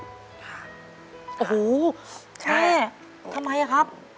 โอ้โหใช่ทำไมครับ